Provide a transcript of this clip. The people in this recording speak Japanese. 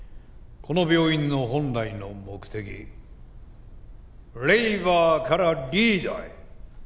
この病院の本来の目的レーバーからリーダーへ。